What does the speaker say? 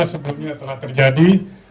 sebelumnya telah terjadi